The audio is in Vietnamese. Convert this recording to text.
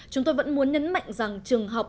chúng tôi vẫn muốn nhấn mạnh rằng trường học